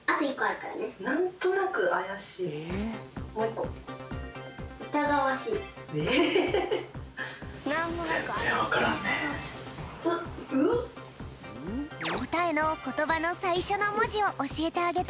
こたえのことばのさいしょのもじをおしえてあげたよ。